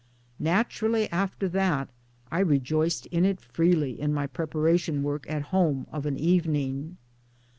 Naturally after that I rejoiced in it freely in my preparation work at home of an evening.